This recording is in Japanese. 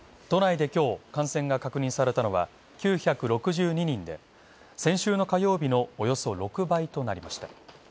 都内で今日、感染が確認されたのは９６２人で先週の火曜日より６倍となりました。